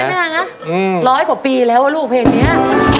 แม่นะร้อยกว่าปีแล้วลูกเพลงนี้